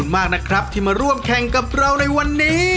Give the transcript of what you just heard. เอากลับบ้านไปเลย